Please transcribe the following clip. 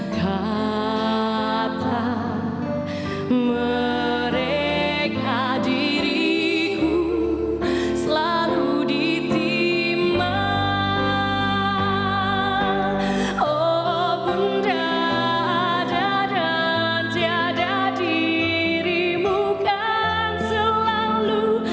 kata mereka diriku selalu dimanjakan